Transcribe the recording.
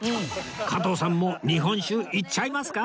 加藤さんも日本酒いっちゃいますか？